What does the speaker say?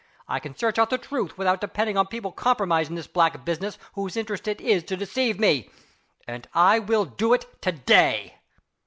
I can search out the truth, without depending on people compromised in this black business, whose interest it is to deceive me. And I will do it to day!"